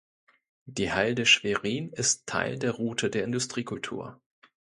Die Halde Schwerin ist Teil der Route der Industriekultur.